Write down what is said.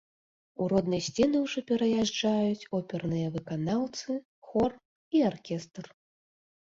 У родныя сцены ўжо пераязджаюць оперныя выканаўцы, хор і аркестр.